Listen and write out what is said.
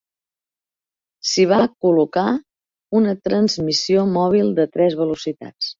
S'hi va colo-car una transmissió mòbil de tres velocitats.